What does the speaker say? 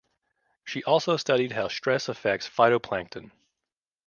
She also studied how stress affects phytoplankton.